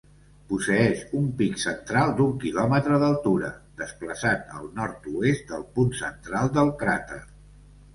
Posseeix un pic central d'un quilòmetre d'altura, desplaçat al nord-oest del punt central del cràter.